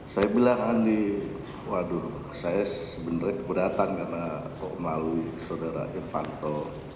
saya bilang andi waduh saya sebenarnya keberatan karena melalui saudara irvanto